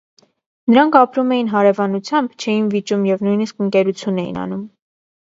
Նրանք ապրում էին հարևանությամբ, չէին վիճում և նույնիսկ ընկերություն էին անում։